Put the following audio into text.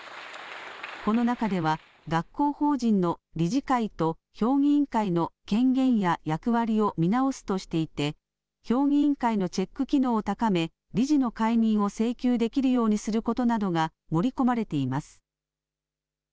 この中では学校法人の理事会と評議員会の権限や役割を見直すとしていて評議員会のチェック機能を高め理事の解任を請求できるようにすることなどが盛り込まれています。